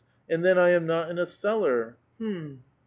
And then I am not in s cellar. Um